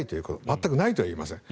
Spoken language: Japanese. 全くないとは言いません。